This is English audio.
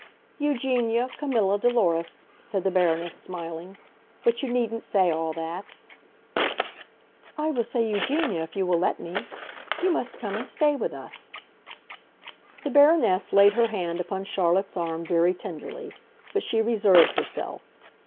"Eugenia Camilla Dolores," said the Baroness, smiling. "But you needn't say all that." "I will say Eugenia, if you will let me. You must come and stay with us." The Baroness laid her hand upon Charlotte's arm very tenderly; but she reserved herself.